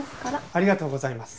ありがとうございます。